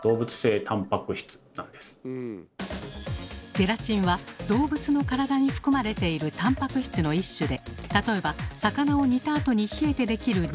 ゼラチンは動物の体に含まれているたんぱく質の一種で例えば魚を煮たあとに冷えて出来る煮こごり。